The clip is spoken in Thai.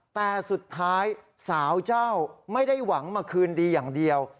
แต่สุดท้ายสาวเจ้าไม่ได้หวังมาคืนดีอย่างเดียว